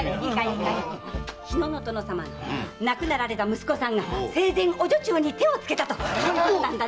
いいかい日野の殿様の亡くなられた息子さんが生前お女中に手をつけたらしいよ。